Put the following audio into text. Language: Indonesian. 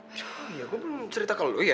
aduh ya gue belum cerita kalau lu ya